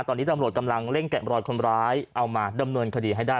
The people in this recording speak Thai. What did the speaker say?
ตอนนี้ตำรวจกำลังเร่งแกะรอยคนร้ายเอามาดำเนินคดีให้ได้